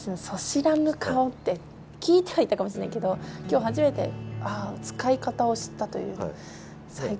「そしらぬ顔」って聞いてはいたかもしれないけど今日初めて使い方を知ったという。